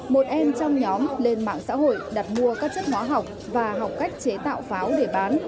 một em trong nhóm lên mạng xã hội đặt mua các chất hóa học và học cách chế tạo pháo để bán